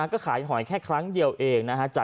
ก็ขายหอยแค่ครั้งเดียวเองนะฮะจากที่รู้มา